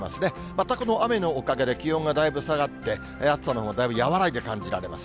またこの雨のおかげで気温がだいぶ下がって、暑さのほう、だいぶ和らいで感じられます。